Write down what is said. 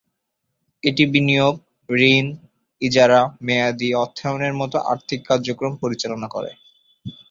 এটি বিনিয়োগ, ঋণ, ইজারা, মেয়াদি অর্থায়নের মত আর্থিক কার্যক্রম পরিচালনা করে।